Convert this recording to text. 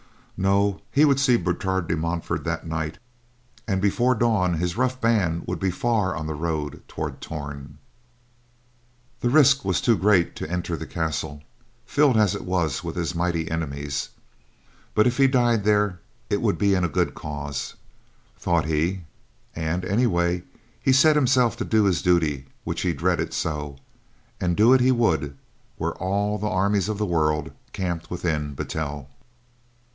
No, he would see Bertrade de Montfort that night and before dawn his rough band would be far on the road toward Torn. The risk was great to enter the castle, filled as it was with his mighty enemies. But if he died there, it would be in a good cause, thought he and, anyway, he had set himself to do this duty which he dreaded so, and do it he would were all the armies of the world camped within Battel.